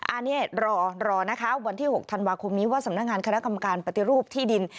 อันนี้รอนะคะวันที่๖ธันวาคมนี้ว่าสำนักงานคณะกรรมการปฏิรูปที่ดิน